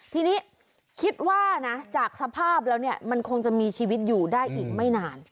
ทีนี้คิดว่านะจากสภาพแล้วเนี่ยมันคงจะมีชีวิตอยู่ได้อีกไม่นาน